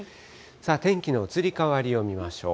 天気の移り変わりを見ましょう。